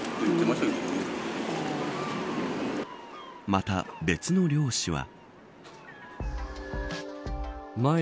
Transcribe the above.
また、別の漁師は。